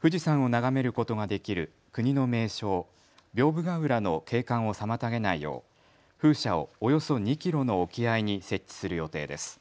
富士山を眺めることができる国の名勝、屏風ヶ浦の景観を妨げないよう風車をおよそ２キロの沖合に設置する予定です。